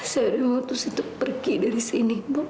saya udah mutus itu pergi dari sini pak